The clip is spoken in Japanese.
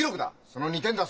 その２点だ。